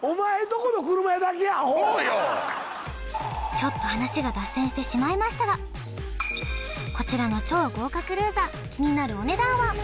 ちょっと話が脱線してしまいましたがこちらの超豪華クルーザー気になるお値段は？